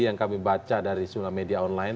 yang kami baca dari jumlah media online